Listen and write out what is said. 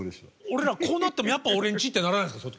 俺らこうなってもやっぱ俺んち？ってならないんですか？